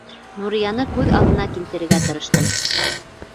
Нурияны күҙ алдына килтерергә тырыштым.